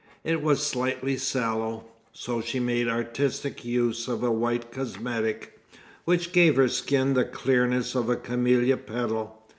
It was slightly sallow, so she made artistic use of a white cosmetic, which gave her skin the clearness of a camellia petal.